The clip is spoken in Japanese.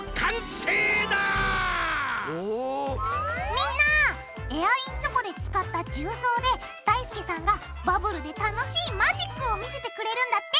みんなエアインチョコで使った重曹でだいすけさんがバブルで楽しいマジックを見せてくれるんだって。